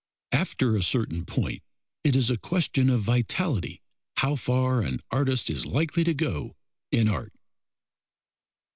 After a certain point, it is a question of vitality how far an artist is likely to go in art.